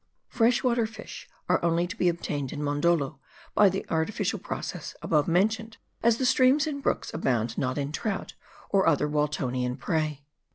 Fresh water fish are only to be obtained in Mondoldo by the artificial process above mentioned ; as the streams and brooks abound not in trout or other Waltonian prey.